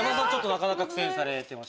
なかなか苦戦されてました。